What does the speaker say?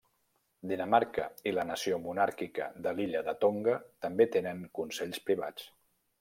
Dinamarca i la nació monàrquica de l'illa de Tonga també tenen Consells Privats.